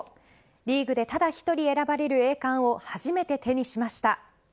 リーグでただ１人選ばれる栄冠を初めて手にしました。